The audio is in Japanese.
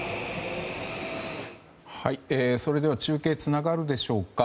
では中継つながるでしょうか。